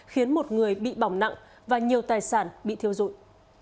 khiến một người bị bỏng nặng và nhiều tài sản bị thiêu dụi